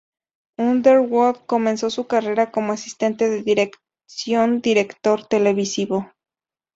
Underwood comenzó su carrera como asistente de dirección director televisivo.